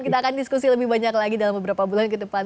kita akan diskusi lebih banyak lagi dalam beberapa bulan ke depan